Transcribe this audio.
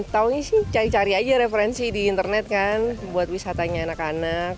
taunya sih cari cari aja referensi di internet kan buat wisatanya anak anak